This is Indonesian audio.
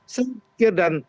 saya pikir dan